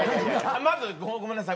まずごめんなさい。